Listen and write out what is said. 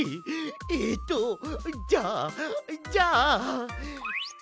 えっとじゃあじゃあ。